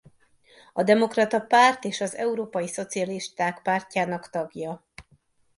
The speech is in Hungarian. A Demokrata Párt és az Európai Szocialisták Pártjának tagja.